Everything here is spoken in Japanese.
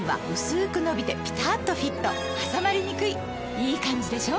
いいカンジでしょ？